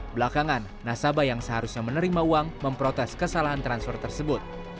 belakangan nasabah yang seharusnya menerima uang memprotes kesalahan transfer tersebut